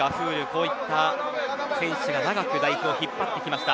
こういった選手が長く代表を引っ張ってきました。